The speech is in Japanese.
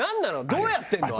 どうやってるの？